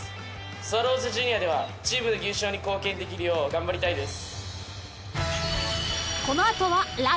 スワローズジュニアではチームの優勝に貢献できるよう頑張りたいです。